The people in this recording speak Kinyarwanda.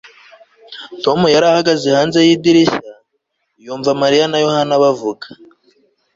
tom yari ahagaze hanze yidirishya, yumva mariya na yohana bavuga